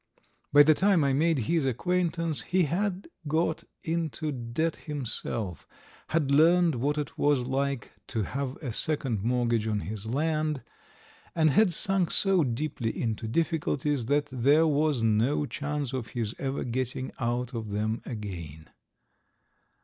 By the time I made his acquaintance he had got into debt himself, had learned what it was like to have a second mortgage on his land, and had sunk so deeply into difficulties that there was no chance of his ever getting out of them again.